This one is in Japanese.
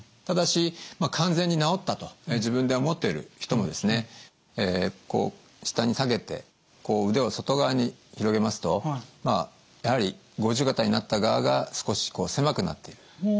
ただし完全に治ったと自分で思っている人もですねこう下に下げてこう腕を外側に広げますとまあやはり五十肩になった側が少しこう狭くなっている。